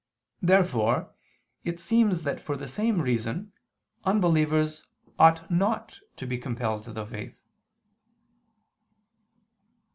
Therefore it seems that for the same reason unbelievers ought not to be compelled to the faith.